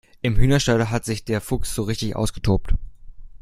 Im Hühnerstall hat sich der Fuchs so richtig ausgetobt.